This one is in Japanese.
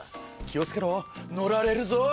気を付けろ乗られるぞ！